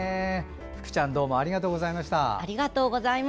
ふくちゃん、どうもありがとうございました。